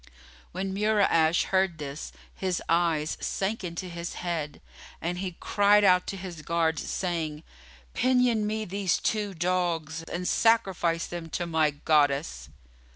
When Mura'ash heard this, his eyes sank into his head[FN#29] and he cried out to his guards, saying, "Pinion me these two dogs and sacrifice them to my Goddess."